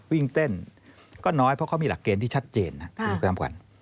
วิ่งเต้นก็น้อยเพราะเขามีหลักเกณฑ์ที่ชัดเจน